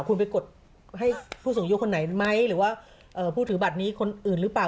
คุณไปกดให้ผู้สูงอายุคนไหนไหมหรือว่าผู้ถือบัตรนี้คนอื่นหรือเปล่า